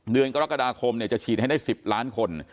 เดือนกรกฎาคมจะฉีดให้ได้๑๐ล้านคน